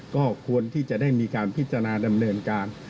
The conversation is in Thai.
ก็ควรที่จะได้มีการพิจารณาดำเนินการ